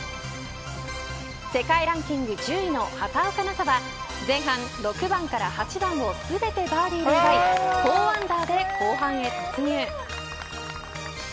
世界ランキング１０位の畑岡奈紗は前半６番から８番を全てバーディーで奪い４アンダーで後半へ突入。